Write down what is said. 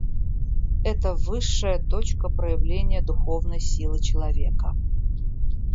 Это высшая точка проявления духовной силы человека.